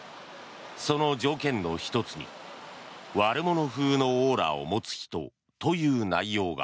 その条件の１つに悪者風のオーラを持つ人という内容が。